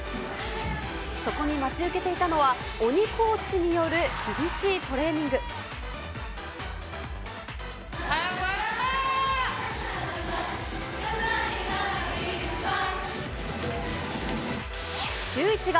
そこに待ち受けていたのは、鬼コーチによる厳しいトレーニン早く、早く！